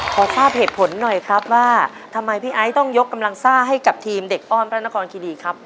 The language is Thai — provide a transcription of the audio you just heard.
ขอทราบเหตุผลหน่อยครับว่าทำไมพี่ไอซ์ต้องยกกำลังซ่าให้กับทีมเด็กอ้อนพระนครคิดีครับ